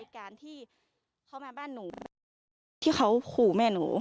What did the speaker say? การที่เขามาบ้านหนูที่เขาขู่แม่หนู